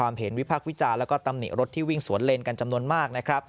มาแสดงความเห็นวิพากษ์วิจารณ์แล้วก็ตำหนิรถที่วิ่งสวนเลนกันจำนวนมาก